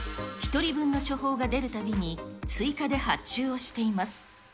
１人分の処方が出るたびに、追加で発注をしています。